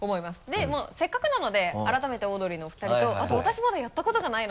でせっかくなので改めてオードリーのお二人とあと私まだやったことがないので。